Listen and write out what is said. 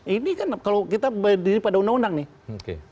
ini kan kalau kita berdiri pada undang undang nih